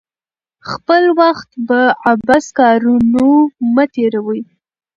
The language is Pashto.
خپل وخت په عبث کارونو مه تیروئ.